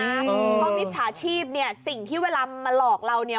เพราะมิจฉาชีพเนี่ยสิ่งที่เวลามาหลอกเราเนี่ย